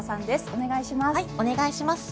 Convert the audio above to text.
お願いします。